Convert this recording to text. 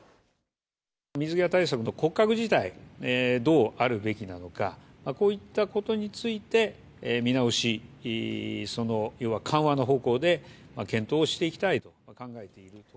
水際対策の骨格自体、どうあるべきなのか、こういったことについて、見直し、要は緩和の方向で検討をしていきたいと考えている。